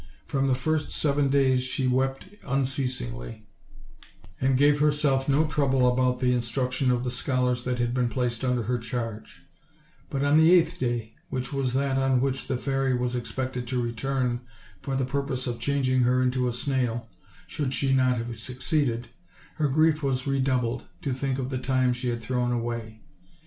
For the first seven days she wept unceasingly, and gave herself no trouble about the instruction of the scholars that had been placed under her charge; but on the eighth day, which was that on which the fairy was expected to return for the purpose of changing her into a snail, should she not have succeeded, her grief was redoubled, to think of the time she had thrown away.